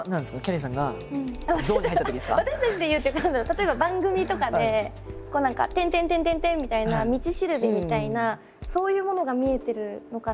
例えば番組とかで何か点点点点点みたいな道しるべみたいなそういうものが見えてるのかなって。